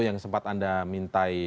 yang sempat anda mintai